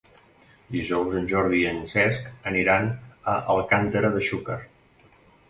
Dijous en Jordi i en Cesc aniran a Alcàntera de Xúquer.